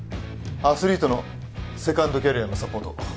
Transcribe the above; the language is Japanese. アスリートのセカンドキャリアのサポート